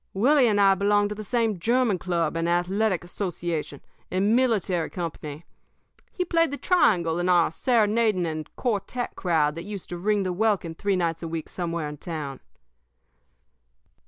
Willie and I belonged to the same german club and athletic association and military company. He played the triangle in our serenading and quartet crowd that used to ring the welkin three nights a week somewhere in town.